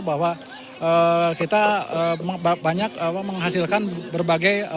bahwa kita banyak menghasilkan berbagai